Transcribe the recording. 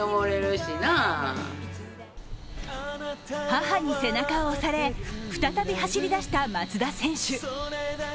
母に背中を押され再び走り出した松田選手。